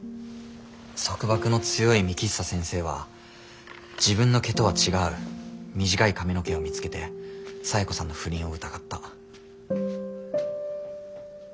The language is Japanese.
束縛の強い幹久先生は自分の毛とは違う短い髪の毛を見つけて冴子さんの不倫を疑った。